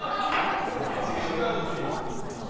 違うんだ。